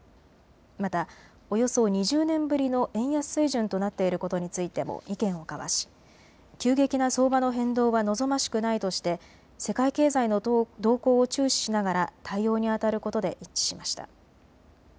また、およそ２０年ぶりの円安水準となっていることについても意見を交わし急激な相場の変動は望ましくないとして世界経済の動向を注視しながら対応にあたることで一致しました。